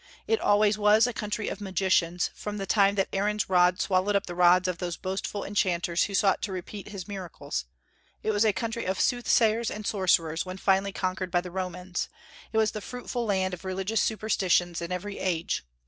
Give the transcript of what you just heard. It always was a country of magicians, from the time that Aaron's rod swallowed up the rods of those boastful enchanters who sought to repeat his miracles; it was a country of soothsayers and sorcerers when finally conquered by the Romans; it was the fruitful land of religious superstitions in every age.